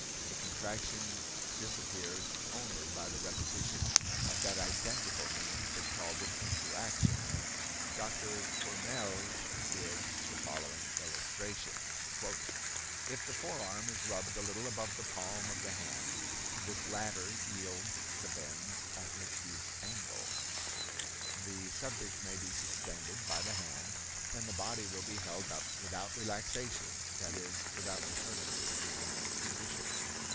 The contraction disappears only by the repetition of that identical means that called it into action. Dr. Courmelles gives the following illustration: "If the forearm is rubbed a little above the palm of the hand, this latter yields and bends at an acute angle. The subject may be suspended by the hand, and the body will be held up without relaxation, that is, without returning to the normal condition.